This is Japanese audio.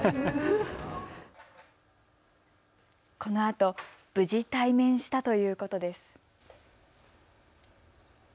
このあと無事対面したということです。